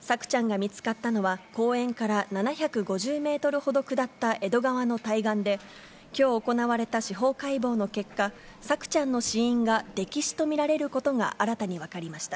朔ちゃんが見つかったのは、公園から７５０メートルほど下った江戸川の対岸で、きょう行われた司法解剖の結果、朔ちゃんの死因が溺死と見られることが、新たに分かりました。